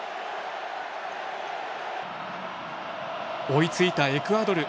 追いついたエクアドル。